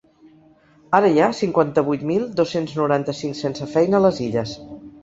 Ara hi ha cinquanta-vuit mil dos-cents noranta-cinc sense feina a les Illes.